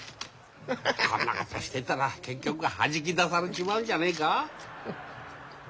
こんなことしてたら結局はじき出されちまうんじゃねえか？